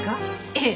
ええ。